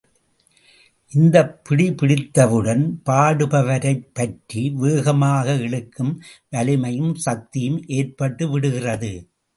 இந்தப்பிடி பிடித்தவுடன், பாடுபவரைப் பற்றி, வேகமாக இழுக்கும் வலிமையும் சக்தியும் ஏற்பட்டு விடுகிறது.